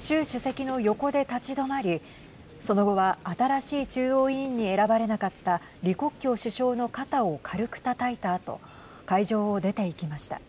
習主席の横で立ち止まりその後は新しい中央委員に選ばれなかった李克強首相の肩を軽くたたいたあと会場を出ていきました。